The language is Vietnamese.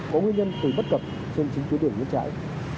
có nguyên nhân tùy bất cập trên chính quyết điểm ngân trại